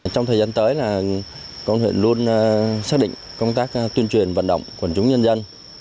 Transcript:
trong thời gian tới công an huyện luôn xác định công tác tuyên truyền vận động quần chúng nhân dân